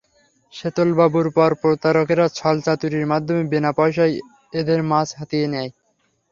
শেতল বাবুর মতো প্রতারকেরা ছল-চাতুরীর মাধ্যমে বিনা পয়সায় এদের মাছ হাতিয়ে নেয়।